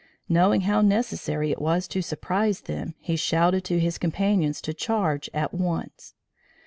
Knowing how necessary it was to surprise them he shouted to his companions to charge at once.